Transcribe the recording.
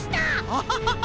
アハハハ！